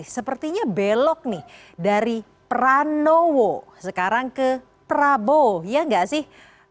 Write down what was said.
sepertinya belok nih dari pranowo sekarang ke prabowo ya nggak sih